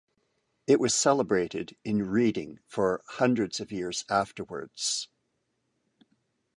It was celebrated in Reading for hundreds of years afterwards.